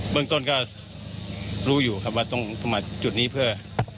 เมืองต้นก็รู้อยู่ครับว่าต้องมาจุดนี้เพื่อ